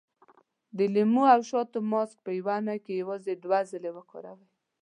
د لیمو او شاتو ماسک په يوه اونۍ کې یوازې دوه ځلې وکاروئ.